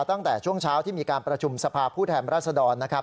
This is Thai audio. ตั้งแต่ช่วงเช้าที่มีการประชุมสภาพผู้แทนรัศดรนะครับ